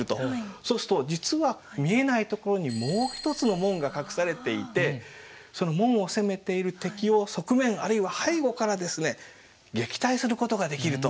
そうすると実は見えないところにもう一つの門が隠されていてその門を攻めている敵を側面あるいは背後からですね撃退することができると。